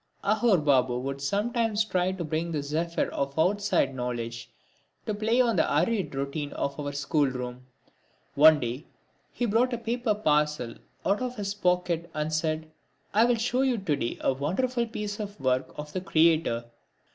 Aghore Babu would sometimes try to bring the zephyr of outside knowledge to play on the arid routine of our schoolroom. One day he brought a paper parcel out of his pocket and said: "I'll show you to day a wonderful piece of work of the Creator."